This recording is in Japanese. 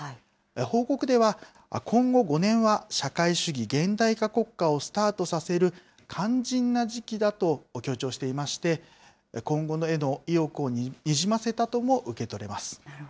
報告では、今後５年は社会主義現代化国家をスタートさせる肝心な時期だと強調していまして、今後への意欲をにじませたとも受け取れます。